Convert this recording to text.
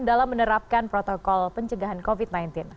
dalam menerapkan protokol pencegahan covid sembilan belas